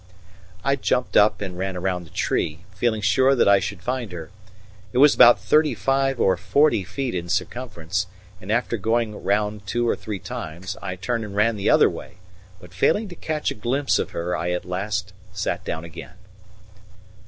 I jumped up and ran round the tree, feeling sure that I should find her. It was about thirty five or forty feet in circumference; and after going round two or three times, I turned and ran the other way, but failing to catch a glimpse of her I at last sat down again.